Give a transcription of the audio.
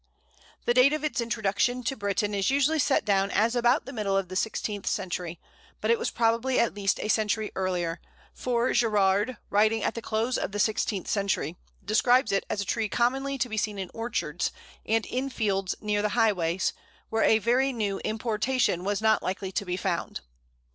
The date of its introduction to Britain is usually set down as about the middle of the sixteenth century, but it was probably at least a century earlier, for Gerarde, writing at the close of the sixteenth century, describes it as a tree commonly to be seen in orchards, and in fields near the highways, where a very new importation was not likely to be found.